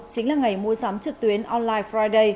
chính là ngày mua sắm trực tuyến online friday